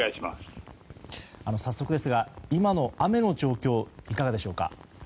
早速ですが、今の雨の状況はいかがでしょうか。